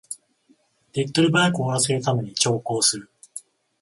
手っ取り早く終わらせるために長考する